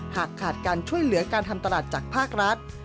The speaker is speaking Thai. หากขาดการช่วยเหลือการทำตลาดจากภาครัฐ